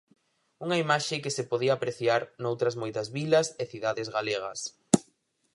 Unha imaxe que se podía apreciar noutras moitas vilas e cidades galegas.